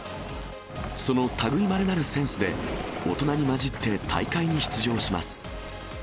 そのたぐいまれなるセンスで、大人に交じって大会に出場します。